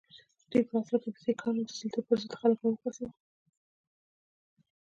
دوی په اصل کې د سیکهانو د سلطې پر ضد خلک را وپاڅول.